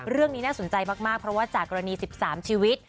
เรื่องนี้น่าสนใจมากเพราะว่าจากกรณี๑๓ชีวิต